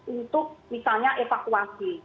untuk misalnya evakuasi